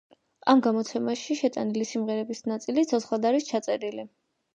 ამ გამოცემაში შეტანილი სიმღერების ნაწილი ცოცხლად არის ჩაწერილი.